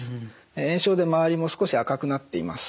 炎症で周りも少し赤くなっています。